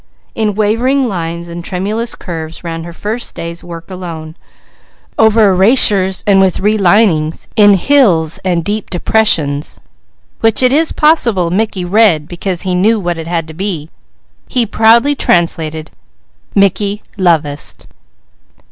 In wavering lines and tremulous curves ran her first day's work alone, over erasures, and with relinings, in hills and deep depressions, which it is possible Mickey read because he knew what it had to be, he proudly translated, "Mickey lovest."